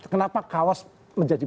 kenapa kaos menjadi